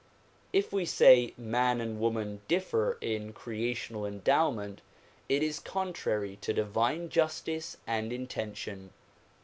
If we say man and woman differ in creational endowment it is contrary to divine justice and intention.